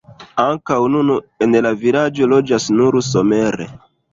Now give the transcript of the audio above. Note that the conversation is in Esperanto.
Ankaŭ nun en la vilaĝo loĝas nur somere.